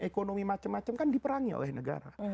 ekonomi macam macam kan diperangi oleh negara